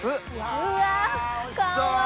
うわかわいい！